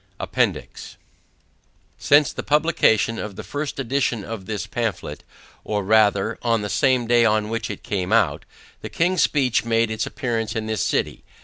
APPENDIX SINCE the publication of the first edition of this pamphlet, or rather, on the same day on which it came out, the King's Speech made its appearance in this city.